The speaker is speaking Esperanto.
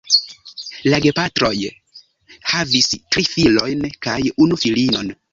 La gepatroj (Georgij kaj Maria) havis tri filojn kaj unu filinon.